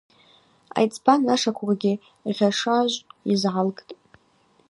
Айцӏба нашаквакӏгьи Гъьашажв йызгӏалгтӏ.